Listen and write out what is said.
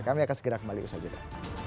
kami akan segera kembali ke sisi itu